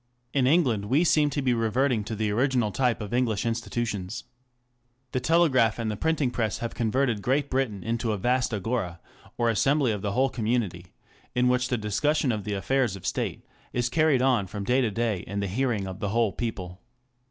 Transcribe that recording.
In England we seem to be reverting to the original type of English institutions. The telegraph and the printing press have converted Great Britain into a vast agora, or assembly of the whole community, in which the discussion of the affairs of State is carried on from day to day in the hearing of the whole people.